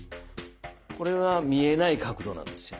これは見えない角度なんですよ。